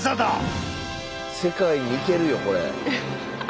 世界に行けるよこれ。